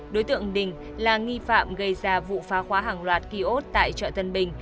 đối tượng đình là nghi phạm gây ra vụ phá khóa hàng loạt kỳ ốt tại chợ tân bình